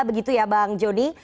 begitu ya bang joni